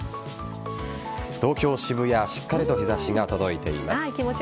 東京・渋谷しっかりと日差しが届いています。